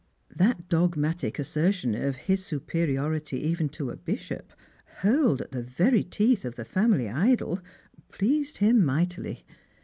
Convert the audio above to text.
That dogmatic assertion of his superiority even to a bishop, hurled at the very teeth of the family idol, pleased him mightily.